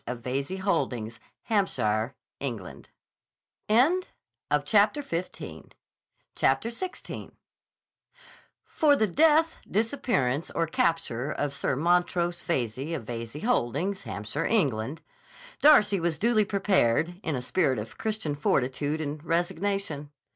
of Veyze Holdings, Hampshire, England. CHAPTER XVI FOR the death, disappearance, or capture of Sir Montrose Veyze, of Veyze Holdings, Hampshire, England, Darcy was duly prepared, in a spirit of Christian fortitude and resignation.